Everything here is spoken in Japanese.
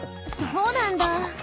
そうなんだ。